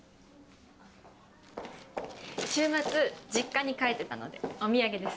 週末実家に帰ってたのでお土産です。